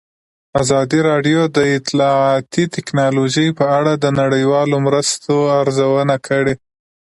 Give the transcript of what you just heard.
ازادي راډیو د اطلاعاتی تکنالوژي په اړه د نړیوالو مرستو ارزونه کړې.